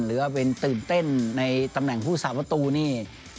หรือเป็นตื่นเต้นในตำแหน่งคู่สาปัตู้นี่